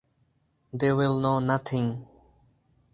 They will know nothing.